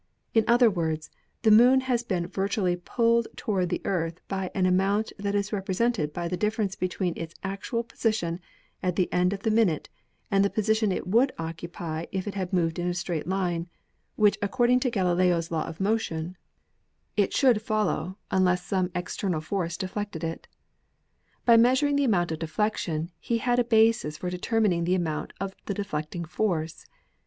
In other words, the Moon has been virtually pulled toward the Earth by an amount that is represented by the difference between its actual position at the end of the minute and the position it would occupy had it moved in a straight line, which according to Galileo's law of motion, it should fol THE LAW OF GRAVITATION 53 low unless some external force deflected it. By measuring the amount of deflection, he had a basis for determining the amount of the deflecting force.